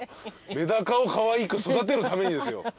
メダカをかわいく育てるためにですよ。